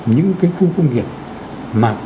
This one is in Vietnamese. những cái khu công nghiệp mà